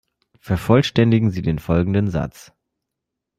Vervollständigen Sie folgenden Satz.